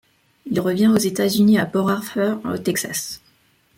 Il revient aux États-Unis à Port Arthur au Texas.